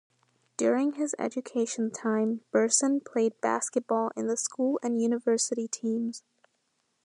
During his education time, Birsen played basketball in the school and university teams.